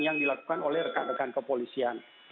yang dilakukan oleh rekan rekan kepolisian